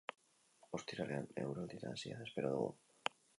Ostiralean eguraldi nahasia espero dugu.